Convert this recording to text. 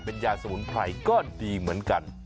เป็นยาสมุนไพรก็ดีเหมือนกัน